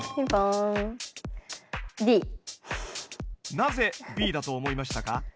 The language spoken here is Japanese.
なぜＢだと思いましたか？